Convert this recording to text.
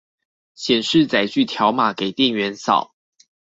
顯示載具條碼給店員掃